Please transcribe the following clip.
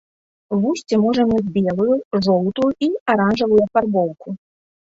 Вусце можа мець белую, жоўтую і аранжавую афарбоўку.